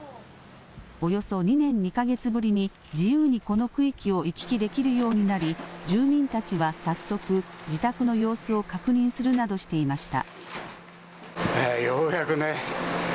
およそ２年２か月ぶりに自由にこの区域を行き来できるようになり住民たちは早速自宅の様子を確認するなどしていました。